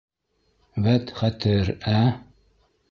Вәт, хәтер, ә?!